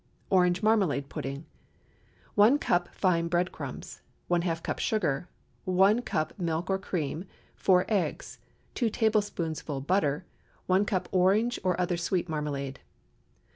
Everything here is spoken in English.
ORANGE MARMALADE PUDDING. ✠ 1 cup fine bread crumbs. ½ cup sugar. 1 cup milk or cream. 4 eggs. 2 teaspoonfuls butter. 1 cup orange or other sweet marmalade.